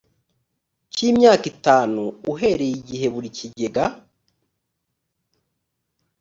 cy imyaka itanu uhereye igihe buri kigega